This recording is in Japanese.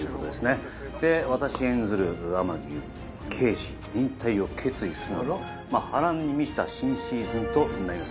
私演ずる天樹悠刑事引退を決意するなど波乱に満ちた新シーズンとなります。